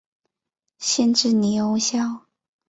县治尼欧肖。